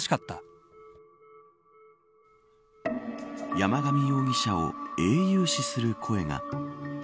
山上容疑者を英雄視する声が。